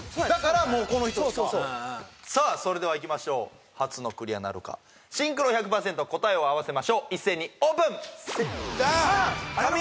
だからもうこの人しかさあそれではいきましょう初のクリアなるかシンクロ１００％答えを合わせましょう一斉にオープン！